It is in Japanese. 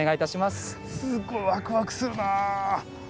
すごいワクワクするな。